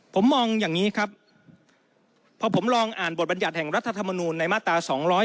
ผมมองอย่างนี้ครับพอผมลองอ่านบทบรรยัติแห่งรัฐธรรมนูลในมาตรา๒๗